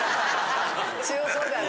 強そうだね。